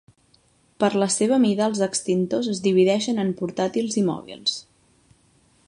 Per la seva mida els extintors es divideixen en portàtils i mòbils.